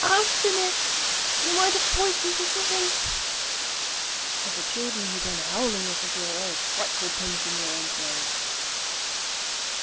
"Arsenic! You might have poisoned us all." And the children began howling as if they already had frightful pains in their entrails.